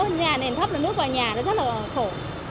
nhà nền thấp là nước vào nhà nó rất là khổ